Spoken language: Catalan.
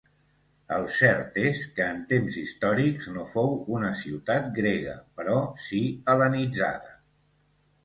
El cert és que en temps històrics no fou una ciutat grega però si hel·lenitzada.